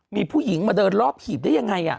มีผู้หญิงมาเดินรอบหีบได้ยังไง